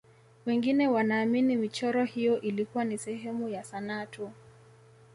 wengine wanaamini michoro hiyo ilikuwa ni sehemu ya sanaa tu